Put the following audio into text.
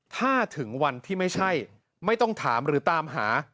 ถ้าถึงวันที่ไม่ใช่ไม่ต้องถามหรือตามหา